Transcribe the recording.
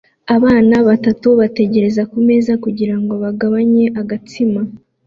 Abana batatu bategereza kumeza kugirango bagabanye agatsima